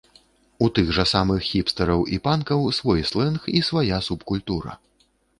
У тых жа самых хіпстэраў і панкаў свой слэнг і свая субкультура.